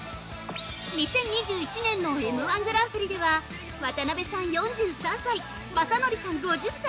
２０２１年のＭ−１グランプリでは渡辺さん４３歳、まさのりさん５０歳。